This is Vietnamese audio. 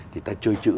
thì ta chơi chữ